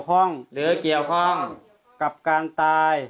ข้าพเจ้านางสาวสุภัณฑ์หลาโภ